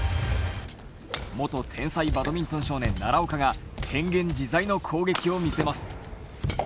元天才バドミントン少年奈良岡が変幻自在の攻撃を見せます。